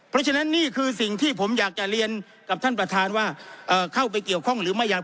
เพราะฉะนั้นนี่คือสิ่งที่ผมอยากจะเรียนกับท่านประธานว่าเข้าไปเกี่ยวข้องหรือไม่ยัง